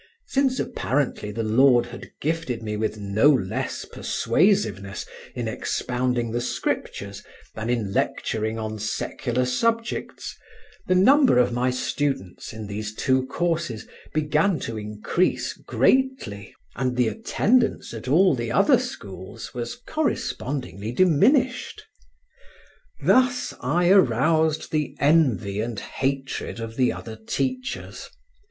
Since apparently the Lord had gifted me with no less persuasiveness in expounding the Scriptures than in lecturing on secular subjects, the number of my students in these two courses began to increase greatly, and the attendance at all the other schools was correspondingly diminished. Thus I aroused the envy and hatred of the other teachers.